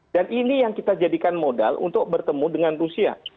dan ini yang kita jadikan modal untuk bertemu dengan rusia